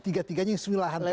tiga tiganya sungai lahan pasti